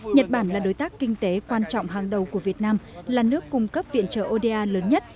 nhật bản là đối tác kinh tế quan trọng hàng đầu của việt nam là nước cung cấp viện trợ oda lớn nhất